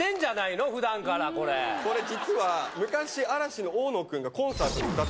これ実は昔嵐の大野君がコンサートで歌ってたんですよ。